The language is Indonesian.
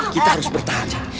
kita harus bertanya